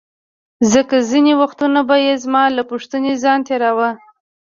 ځکه ځیني وختونه به یې زما له پوښتنې ځان تیراوه.